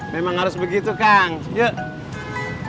memang harus begitu kang yuk